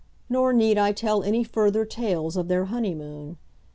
Nor need I tell any further tales of their honeymoon.